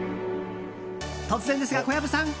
突然ですが、小籔さん。